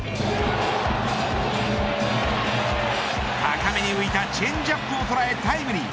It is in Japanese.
高めに浮いたチェンジアップを捉えタイムリー。